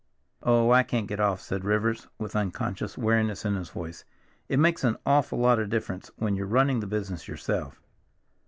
"Oh, I can't get off," said Rivers with unconscious weariness in his voice. "It makes an awful lot of difference when you're running the business yourself.